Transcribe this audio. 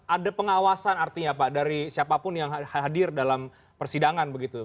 ada pengawasan artinya pak dari siapapun yang hadir dalam persidangan begitu